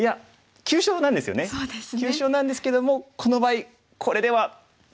急所なんですけどもこの場合これでは。